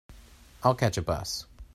I'll catch a bus.